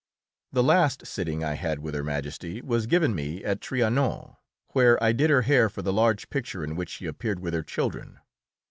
The last sitting I had with Her Majesty was given me at Trianon, where I did her hair for the large picture in which she appeared with her children.